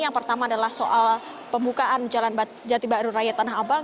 yang pertama adalah soal pembukaan jalan jati baru raya tanah abang